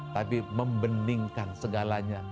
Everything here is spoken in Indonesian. tapi membeningkan segalanya